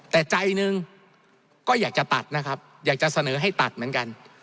แต่ใจหนึ่งก็อยากจะตัดนะครับอยากจะเสนอให้ตัดเหมือนกัน